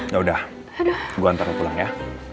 yaudah gue ntar gue pulang ya